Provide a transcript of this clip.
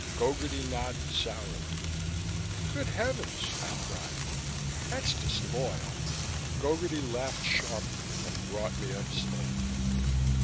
Gogarty nodded sourly. "Good heavens," I cried, "that's disloyal!" Gogarty laughed sharply and brought me up standing.